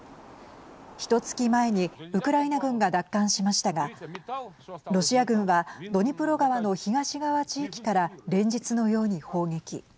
ひとつき前にウクライナ軍が奪還しましたがロシア軍はドニプロ川の東側地域から連日のように砲撃。